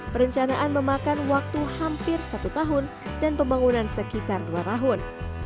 perencanaan memakan waktu hampir satu tahun dan pembangunan sekitar dua tahun